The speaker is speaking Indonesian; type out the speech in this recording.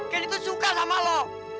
gendy tuh suka sama lo